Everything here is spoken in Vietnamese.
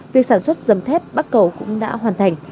việc sản xuất dầm thép bắc cầu cũng đã hoàn thành